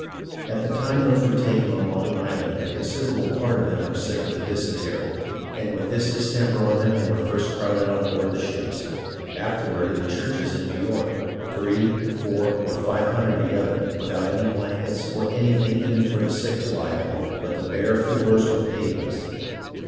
" At the time those were taken on Long Island a con siderable part of them were sick of the dysentery, and with this distemper on them were first crowded on board the ships, afterward in the churches in New York, three, four, or five hundred together, without any blankets, or any thing for even the sick to lie upon, but the bare floors or pavements.